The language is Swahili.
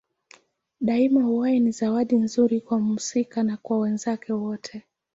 Daima uhai ni zawadi nzuri kwa mhusika na kwa wenzake wote.